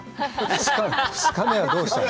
さあ２日目はどうしたの？